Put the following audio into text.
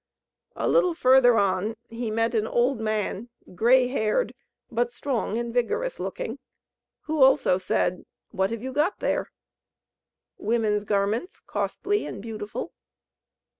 A little further on he met an old man, grey haired, but strong and vigorous looking, who also said: "What have you got there?" "Women's garments costly and beautiful."